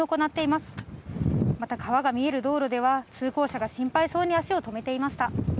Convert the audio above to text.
また、川が見える道路では、通行者が心配そうに足を止めていました。